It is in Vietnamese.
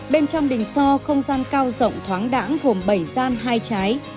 bên trong đình so không gian cao rộng thoáng đẳng gồm bảy gian hai trái